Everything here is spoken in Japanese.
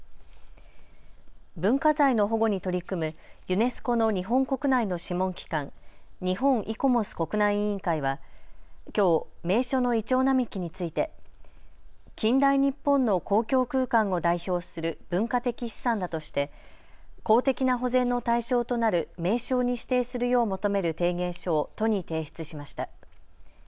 文化財の保護に取り組むユネスコの日本国内の諮問機関、日本イコモス国内委員会はきょう、名所のイチョウ並木について近代日本の公共空間を代表する文化的資産だとして公的な保全の対象となる名勝に指定するよう求める提言書を都に提出しました。